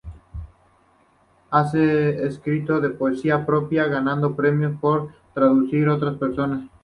Ha escrito poesía propia y ganado premios por traducir a otras personas.